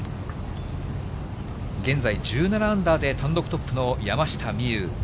現在、１７アンダーで単独トップの山下美夢有。